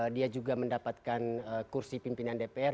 dia juga mendapatkan kursi pimpinan dpr